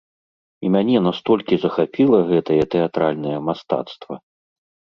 І мяне настолькі захапіла гэтае тэатральнае мастацтва!